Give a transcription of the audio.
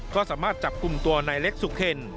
ก็สามารถจับกลุ่มตัวนายเล็กสุเคน